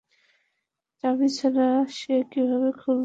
চাবি ছাড়া সে কীভাবে খুলবে?